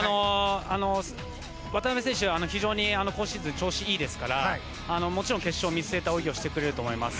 渡辺選手、非常に今シーズン調子がいいですからもちろん、決勝を見据えた泳ぎをしてくれると思います。